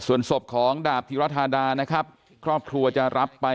ส่วนศพของดาบธิรธาดานะครับครอบครัวจะรับไป